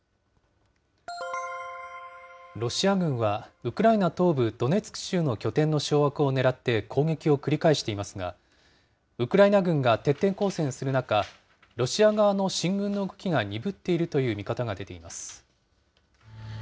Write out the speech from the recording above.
ロシア軍は、ウクライナ東部ドネツク州の拠点の掌握をねらって攻撃を繰り返していますが、ウクライナ軍が徹底抗戦する中、ロシア側の進軍の動きが鈍っているという見方が出ています。